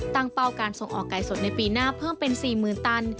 เป้าการส่งออกไก่สดในปีหน้าเพิ่มเป็น๔๐๐๐ตัน